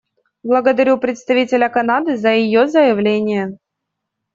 Благодарю представителя Канады за ее заявление.